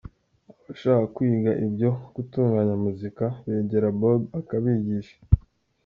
Abashaka kwiga ibyo gutunganya muzika begera Bob akabigisha.